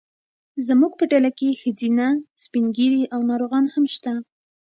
زموږ په ډله کې ښځینه، سپین ږیري او ناروغان هم شته.